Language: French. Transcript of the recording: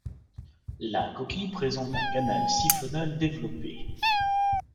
La coquille présente un canal siphonal développé.